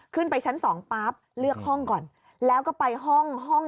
ขึ้นไปชั้นสองปั๊บเลือกห้องก่อนแล้วก็ไปห้องห้อง